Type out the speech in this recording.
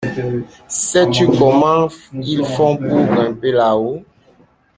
Sais-tu comment ils font pour grimper là-haut?